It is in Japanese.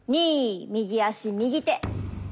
２右足右手。